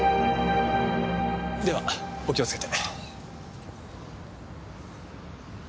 ではお気をつけて。